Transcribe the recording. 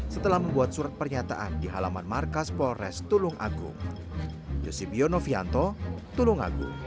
setelah membuat surat pernyataan di halaman markas polres tulung agung